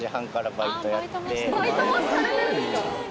バイトもされてるんですか？